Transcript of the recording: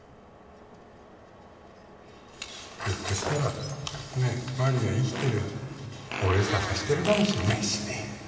ひょっとしたらマリが生きてりゃ俺探してるかもしんないしね。